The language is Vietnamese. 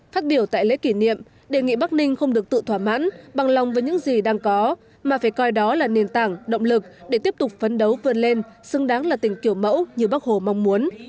phát biểu tại lễ kỷ niệm đề nghị bắc ninh không được tự thỏa mãn bằng lòng với những gì đang có mà phải coi đó là nền tảng động lực để tiếp tục phấn đấu vươn lên xứng đáng là tỉnh kiểu mẫu như bác hồ mong muốn